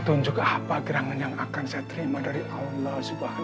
tunjukkan apa gerangan yang akan saya terima dari allah